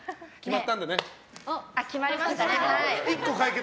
決まりましたね。